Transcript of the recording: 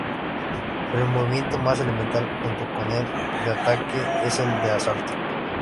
Pero el movimiento más elemental, junto con el de ataque, es el de salto.